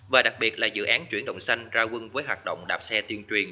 và đặc biệt là dự án chuyển động xanh ra quân với hoạt động đạp xe tuyên truyền